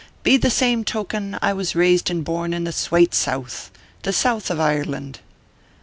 Be the same token, I was raised and born in the swate South the South of Ireland."